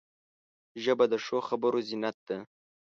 ژبه د ښو خبرو زینت ده